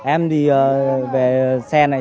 em đi về sen này